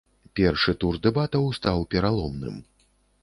Першы тур дэбатаў стаў пераломным.